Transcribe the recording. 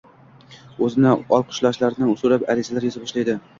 o‘zini oqlashlarini so‘rab arizalar yoza boshlaydi.